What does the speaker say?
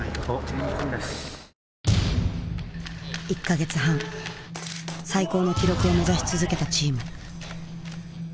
１か月半最高の記録を目指し続けたチーム。